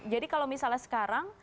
jadi kalau misalnya sekarang